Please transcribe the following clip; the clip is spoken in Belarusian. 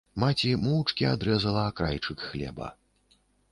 Маці моўчкі адрэзала акрайчык хлеба.